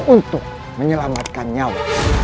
untuk menyelamatkan nyawa